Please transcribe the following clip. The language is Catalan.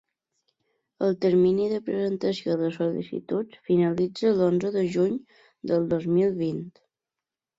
El termini de presentació de sol·licituds finalitza l'onze de juny del dos mil vint.